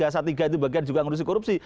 sat tiga itu bagian juga kondisi korupsi